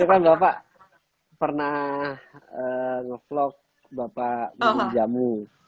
jadi sekarang bapak pernah ngevlog bapak minum jamu